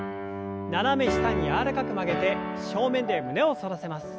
斜め下に柔らかく曲げて正面で胸を反らせます。